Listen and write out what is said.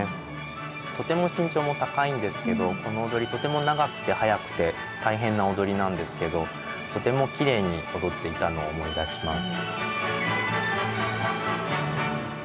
とても身長も高いんですけどこの踊りとても長くて速くて大変な踊りなんですけどとてもきれいに踊っていたのを思い出します。